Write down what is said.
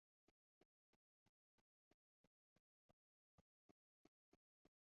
twese twiteguye kurebe yerusalemu nshya